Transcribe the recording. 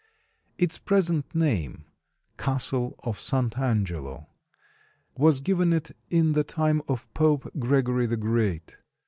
Its present name, Castle of Sant' Angelo, was given it in the time of Pope Gregory the Great.